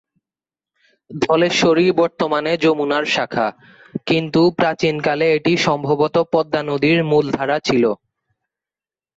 ধলেশ্বরী বর্তমানে যমুনার শাখা, কিন্তু প্রাচীন কালে এটি সম্ভবত পদ্মা নদীর মূল ধারা ছিলো।